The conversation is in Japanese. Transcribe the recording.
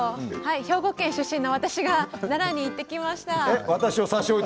兵庫県出身の私が奈良に行ってきました。